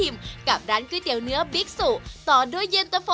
ไม่เหมือนคนอื่นครับ